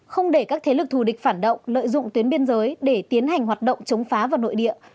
không để các thế lực thù địch phản động lợi dụng tuyến biên giới để tiến hành hoạt động chống phá vào nội địa